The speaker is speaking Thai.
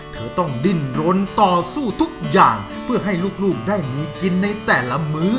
เธอต้องดิ้นรนต่อสู้ทุกอย่างเพื่อให้ลูกได้มีกินในแต่ละมื้อ